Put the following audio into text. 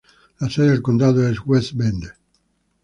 La sede del condado es West Bend.